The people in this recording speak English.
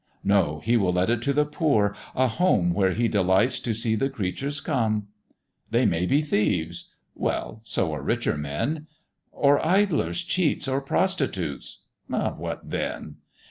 "No! he will let it to the poor; a home Where he delights to see the creatures come:" "They may be thieves;" "Well, so are richer men;" "Or idlers, cheats, or prostitutes;" "What then?"